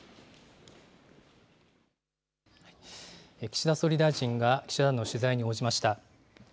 岸田総理大臣が、記者団の取材に応じました。